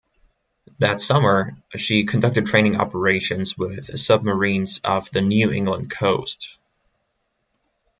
That summer, she conducted training operations with submarines off the New England coast.